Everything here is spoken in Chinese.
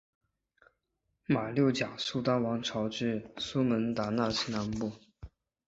马六甲苏丹王朝至苏门答腊西南部。